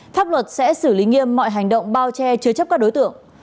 pháp luật sẽ xử lý nghiêm mọi hành động bao che chứa chấp các đối tượng